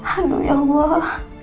aduh ya allah